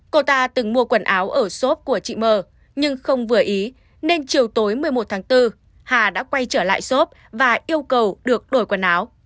cô ta từng mua quần áo ở xốp của chị mờ nhưng không vừa ý nên chiều tối một mươi một tháng bốn hà đã quay trở lại shop và yêu cầu được đổi quần áo